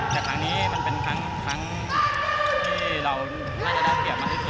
แต่ครั้งนี้มันเป็นครั้งที่เราน่าจะได้เกียรติมากที่สุด